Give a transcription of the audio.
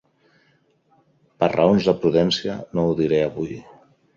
Per raons de prudència no ho diré avui.